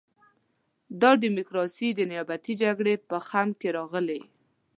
دا ډیموکراسي د نیابتي جګړې په خُم کې راغلې.